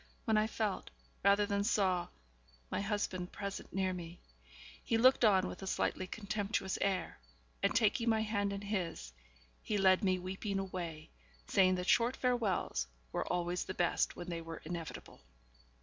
when I felt, rather than saw, my husband present near me. He looked on with a slightly contemptuous air; and, taking my hand in his, he led me weeping away, saying that short farewells were always the best when they were inevitable.